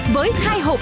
với hai hộp optimum gold